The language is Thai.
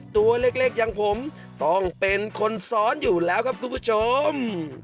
ตัวเล็กอย่างผมต้องเป็นคนซ้อนอยู่แล้วครับคุณผู้ชม